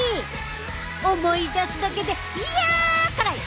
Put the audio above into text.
思い出すだけでヒャ辛い！